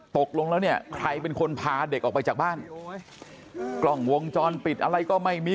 ตกลงแล้วเนี่ยใครเป็นคนพาเด็กออกไปจากบ้านกล้องวงจรปิดอะไรก็ไม่มี